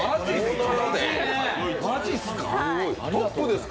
マジっすか！？